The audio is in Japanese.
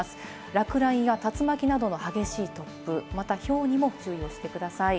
落雷や竜巻などの激しい突風、また、ひょうにも注意をしてください。